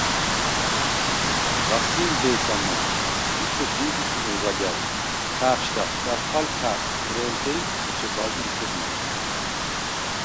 ლასი̄მ დე̄სა მა̄დ ი ჩვესუ̄̈გნ ზაგა̈რჟი. ქა̄̈ხშდა̈ხ სკარხალ, ქა̄̈ტვხ თხუ̈რე̄ლთე. ეჩე ბა̄ზი ლისედ მაკუ.